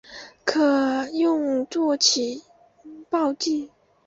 可用作起爆剂。